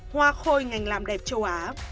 hoa khôi ngành làm đẹp châu á